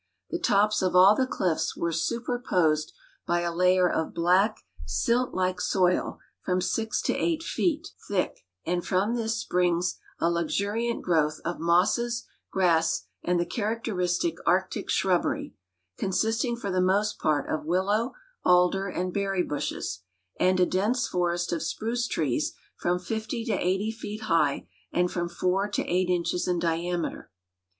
The tops of all the cliffs Avere superposed by a layer of black, silt like soil from G to 8 feet thick, and from this springs a luxuriant groAvth of mosses, grass, and the characteristic Arctic shrubbery, con sisting for the most j>art of aauIIoav, alder, and berry bushes, and a dense forest of spruce trees from 50 to 80 feet high and from 4 to 8 inches in diameter.